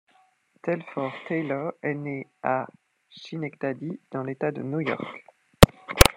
Telford Taylor est né à Schenectady dans l'État de New York.